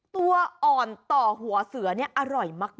ตัวอ่อนต่อหัวเสือนี่อร่อยมาก